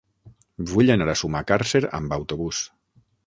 Vull anar a Sumacàrcer amb autobús.